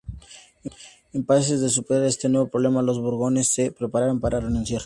Incapaces de superar este nuevo problema, los borgoñones se preparan para renunciar.